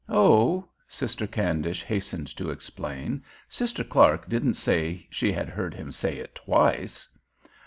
"Oh," Sister Candish hastened to explain, "Sister Clark didn't say she had heard him say it twice.